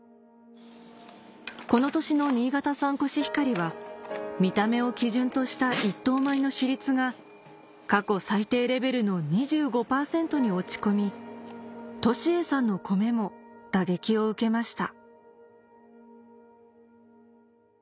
この年の新潟産コシヒカリは見た目を基準とした１等米の比率が過去最低レベルの２５％に落ち込み利栄さんのコメも打撃を受けました